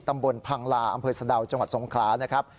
ตำบลพังลาอำเภอสะดาวจังหวัดสงขลานะครับ